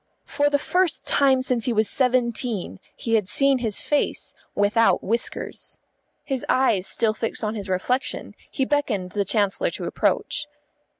For the first time since he was seventeen he had seen his face without whiskers. His eyes still fixed on his reflection, he beckoned the Chancellor to approach.